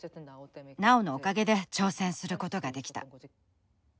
ナオのおかげで挑戦することができた。